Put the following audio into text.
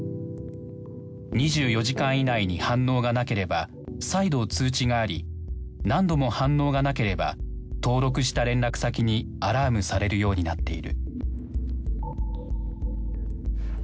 ２４時間以内に反応がなければ再度通知があり何度も反応がなければ登録した連絡先にアラームされるようになっている。